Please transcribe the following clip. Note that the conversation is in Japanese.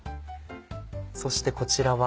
そしてこちらは。